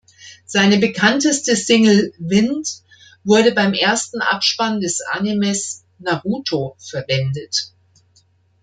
Seine bekannteste Single "Wind" wurde beim ersten Abspann des Animes "Naruto" verwendet.